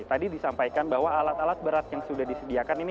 tadi disampaikan bahwa alat alat berat yang sudah disediakan ini